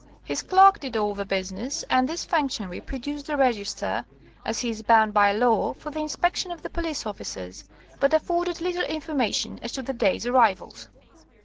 His clerk did all the business, and this functionary produced the register, as he is bound by law, for the inspection of the police officers, but afforded little information as to the day's arrivals.